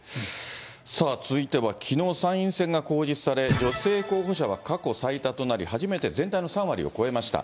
さあ続いては、きのう参院選が公示され、女性候補者が過去最多となり、初めて全体の３割を超えました。